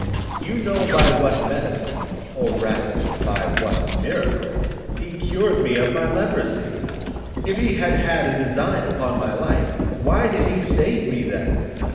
You know by what medicine, or rather by what miracle, he cured me of my leprosy: If he had had a design upon my life, why did he save me then?